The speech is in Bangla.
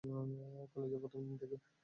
কলেজের প্রথম দিন থেকে।